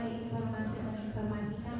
inflator data mereka